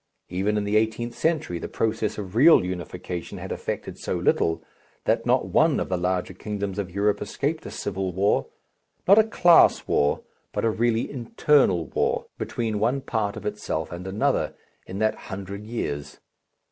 Even in the eighteenth century the process of real unification had effected so little, that not one of the larger kingdoms of Europe escaped a civil war not a class war, but a really internal war between one part of itself and another, in that hundred years.